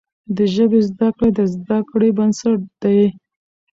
د ژبي زده کړه د زده کړې بنسټ دی.